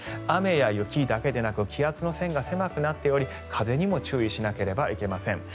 雨や雪だけでなく気圧の線が狭くなっていて風にも注意しなければいけません。